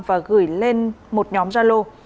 và gửi lên một nhóm gia lô